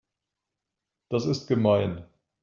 Das ist gemein.